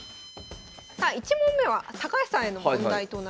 さあ１問目は高橋さんへの問題となります。